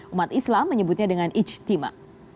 umat islam menyebutnya dengan ijtima